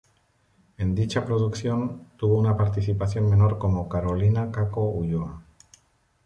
En dicha producción, tuvo una participación menor como Carolina "Caco" Ulloa.